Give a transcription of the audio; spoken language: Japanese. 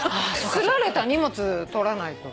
すられた荷物取らないと。